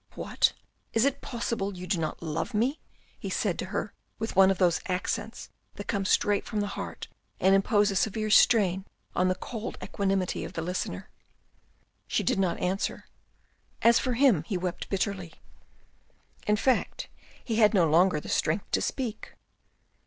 " What ! is it possible you do not love me ?" he said to her, with one of those accents that come straight from the heart and impose a severe strain on the cold equanimity of the listener. She did not answer. As for him, he wept bitterly. In fact he had no longer the strength to speak.